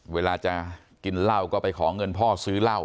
เวลาจะกินเหล้าก็ไปขอเงินพ่อซื้อเหล้า